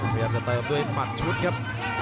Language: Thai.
พยายามจะเติมด้วยหมัดชุดครับ